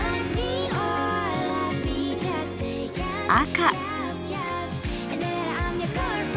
赤。